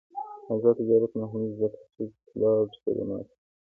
آزاد تجارت مهم دی ځکه چې کلاؤډ خدمات ورکوي.